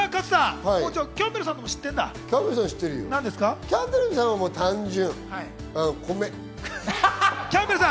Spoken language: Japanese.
キャンベルさんのも知ってる単純。